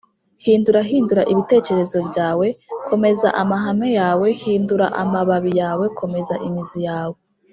“hindura hindura ibitekerezo byawe, komeza amahame yawe; hindura amababi yawe, komeza imizi yawe ”